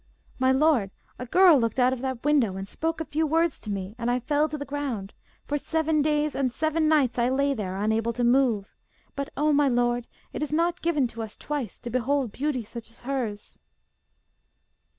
'My lord, a girl looked out of that window and spoke a few words to me, and I fell to the ground. For seven days and seven nights I lay there, unable to move. But, O my lord, it is not given to us twice to behold beauty such as hers.